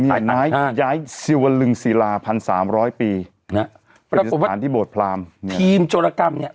ขายตังค์ท่านย้ายซิลวลึงศรีลาพันสามร้อยปีเนี้ยปรากฏว่าทีมโจรกรรมเนี้ย